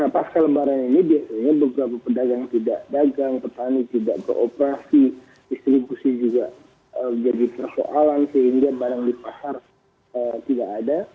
pasca lebaran ini biasanya beberapa pedagang tidak dagang petani tidak beroperasi distribusi juga jadi persoalan sehingga barang di pasar tidak ada